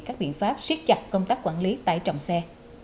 các biện pháp siết chặt công tác quản lý tải trọng xe